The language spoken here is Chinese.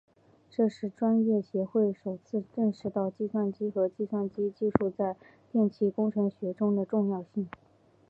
这是专业协会首次认识到计算机和计算机技术在电气工程学中的重要性。